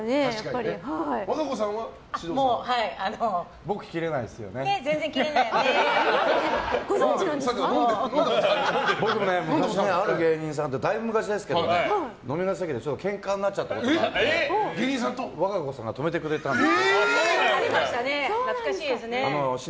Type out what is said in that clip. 僕も昔、ある芸人さんとだいぶ昔ですけど、飲みの席でちょっと、けんかになっちゃったことがあって和歌子さんが止めてくれたんです。